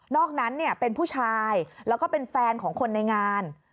อกนั้นเป็นผู้ชายแล้วก็เป็นแฟนของคนในงาน